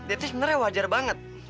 itu sebenernya wajar banget